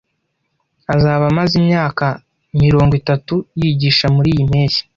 Azaba amaze imyaka mirongo itatu yigisha muriyi mpeshyi.